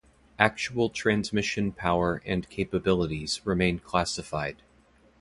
Actual transmission power and capabilities remain classified.